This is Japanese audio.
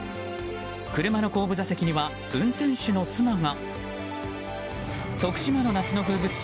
車の後部座席には運転手の妻が。